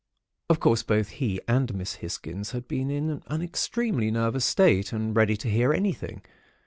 Of course, both he and Miss Hisgins had been in an extremely nervous state, and ready to hear anything.